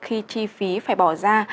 khi chi phí phải bỏ ra